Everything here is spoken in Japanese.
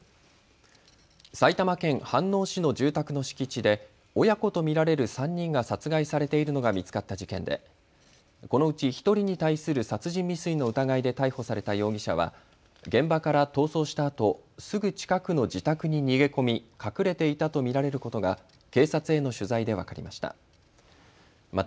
埼玉県飯能市の住宅の敷地で親子と見られる３人が殺害されているのが見つかった事件でこのうち１人に対する殺人未遂の疑いで逮捕された容疑者は現場から逃走したあとすぐ近くの自宅に逃げ込み隠れていたと見られることが警察への取材で分かりました。